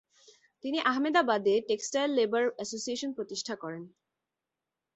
তিনি ‘আহমেদাবাদে textile labour association’ প্রতিষ্ঠা করেন।